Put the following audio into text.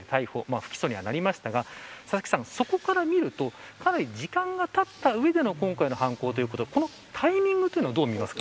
不起訴にはなりましたがそこから見ると、かなり時間がたった上での今回の犯行ということでこのタイミングはどう見ますか。